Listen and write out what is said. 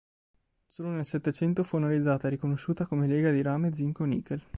Solo nel Settecento fu analizzata e riconosciuta come lega di rame-zinco-nickel.